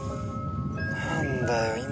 なんだよ今何時？